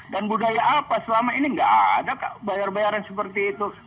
dan budaya apa selama ini tidak ada bayar bayaran seperti itu